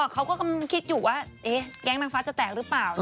เขาก็กำลังคิดอยู่ว่าแก๊งนางฟ้าจะแตกหรือเปล่า